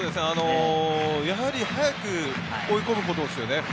やはり早く追い込むことですよね。